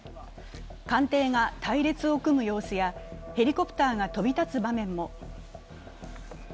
艦艇が隊列を組む様子やヘリコプターが飛び立つ場面も。